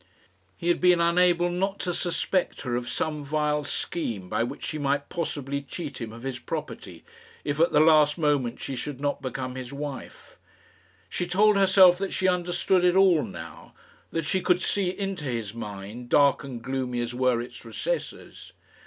He had been unable not to suspect her of some vile scheme by which she might possibly cheat him of his property, if at the last moment she should not become his wife. She told herself that she understood it all now that she could see into his mind, dark and gloomy as were its recesses.